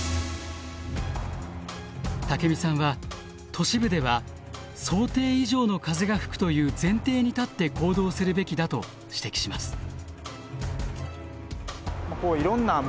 竹見さんは都市部では想定以上の風が吹くという前提に立って行動するべきだと指摘します。え？